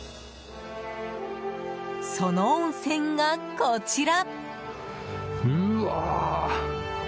その温泉がこちら。